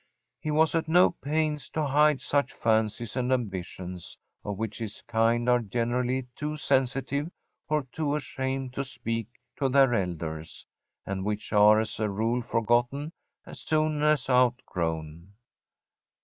He was at no pains to hide such fancies and ambitions, of which his kind are generally too sensitive or too ashamed to speak to their elders, and which are as a rule forgotten as soon as outgrown.